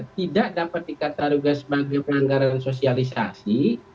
tidak dapat dikatakan sebagai penganggaran sosialisasi